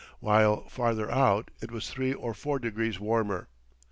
while farther out it was three or four degrees warmer.